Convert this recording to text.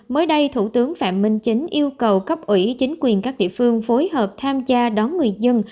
mới đây thủ tướng phạm minh chính yêu cầu cấp ủy chính quyền các địa phương phối hợp tham gia đón người dân